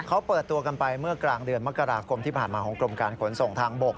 เขาเปิดตัวกันไปเมื่อกลางเดือนมกราคมที่ผ่านมาของกรมการขนส่งทางบก